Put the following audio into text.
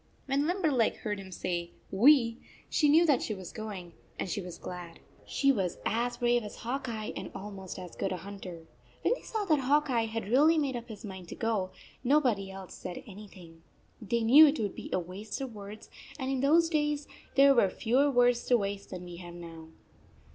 When Limberleg heard him say "We" she knew that she was going, and she was 42 glad. She was as brave as Hawk Eye and almost as good a hunter. When they saw that Hawk Eye had really made up his mind to go, nobody else said anything. They knew it would be a waste of words ; and in those days there were fewer words to waste than we have now.